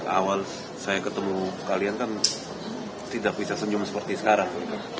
awal saya ketemu kalian kan tidak bisa senyum seperti sekarang